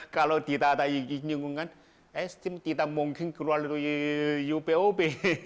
kalau tidak ada izin lingkungan esdm tidak mungkin keluar dari ub ub